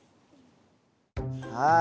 はい。